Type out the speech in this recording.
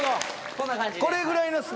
こんな感じで。